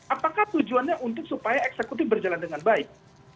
apakah tujuannya untuk supaya eksekutif berjalan dengan baik